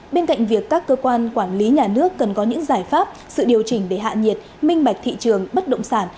bên cạnh việc các cơ quan quản lý nhà nước cần có những giải pháp sự điều chỉnh để hạ nhiệt minh bạch thị trường bất động sản